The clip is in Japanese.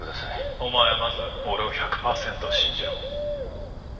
お前はまず俺を１００パーセント信じろ。